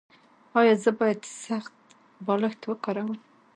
ایا زه باید سخت بالښت وکاروم؟